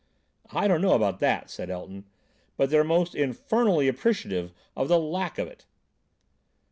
"I don't know about that," said Elton, "but they're most infernally appreciative of the lack of it."